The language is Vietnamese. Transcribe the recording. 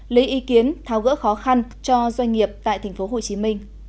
lấy ý kiến tháo gỡ khó khăn cho doanh nghiệp tại tp hcm